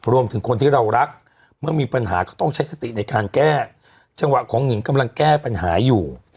รวมถึงคนที่เรารักเมื่อมีปัญหาก็ต้องใช้สติในการแก้จังหวะของหนิงกำลังแก้ปัญหาอยู่